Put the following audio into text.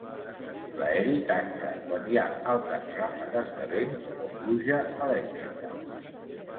L'Aeri tanca quan hi ha altes ràfegues de vent o pluja elèctrica.